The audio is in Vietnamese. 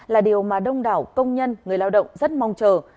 là điều mà đông đảo công nhân người lao động rất mong chờ